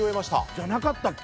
じゃなかったっけ？